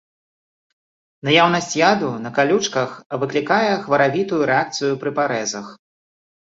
Наяўнасць яду на калючках выклікае хваравітую рэакцыю пры парэзах.